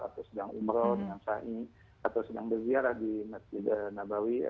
atau sedang umroh dengan sahi atau sedang berziarah di madinah nabawi